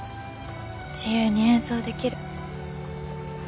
自由に演奏できる。